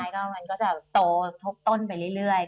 ก็มันก็จะโตทุกต้นไปเรื่อย